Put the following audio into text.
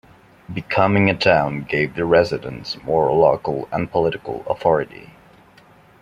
Becoming a town gave the residents more local and political authority.